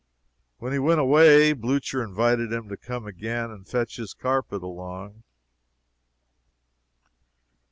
When he went away, Blucher invited him to come again and fetch his carpet along.